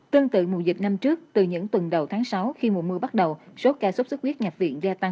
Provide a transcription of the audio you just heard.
tương tự mùa dịch năm trước từ những tuần đầu tháng sáu khi mùa mưa bắt đầu số ca sốt huyết nhạc viện